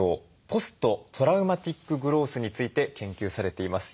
ポスト・トラウマティック・グロースについて研究されています。